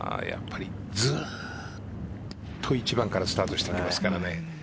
ずっと１番からスタートしていますからね。